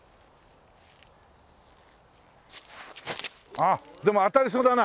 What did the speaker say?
あっでも当たりそうだな。